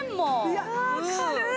いやあ軽い。